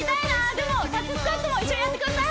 でも立ちスクワットも一緒にやってください